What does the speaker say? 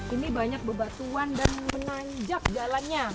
ini banyak bebatuan dan menanjak jalannya